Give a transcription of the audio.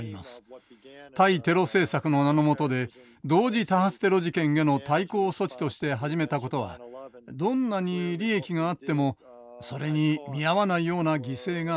対テロ政策の名の下で同時多発テロ事件への対抗措置として始めたことはどんなに利益があってもそれに見合わないような犠牲がありました。